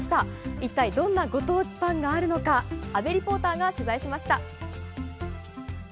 一体どんなご当地パンがあるのか、阿部リポーターが取材しました。